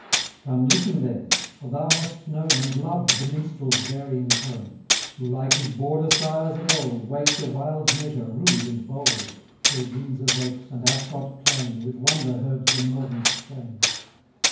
175 Come listen, then! for thou hast known, And loved the Minstrel's varying tone, Who, like his Border sires of old, Waked a wild measure rude and bold, Till Windsor's oaks, and Ascot plain, 180 With wonder heard the northern strain.